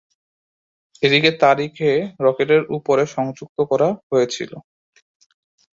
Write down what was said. এটিকে তারিখে রকেটের উপরে সংযুক্ত করা হয়েছিল।